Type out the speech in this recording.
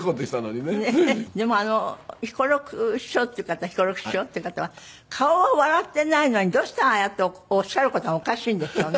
でも彦六師匠っていう方彦六師匠っていう方は顔は笑ってないのにどうしてああやっておっしゃる事がおかしいんでしょうね。